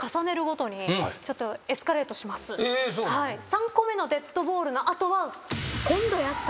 ３個目のデッドボールの後は。